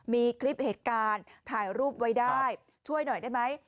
มีคลิปเหตุการณ์ถ่ายรูปไว้ได้ช่วยหน่อยได้ไหม